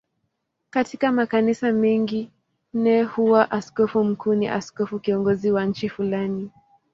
Katika makanisa mengine huwa askofu mkuu ni askofu kiongozi wa nchi fulani.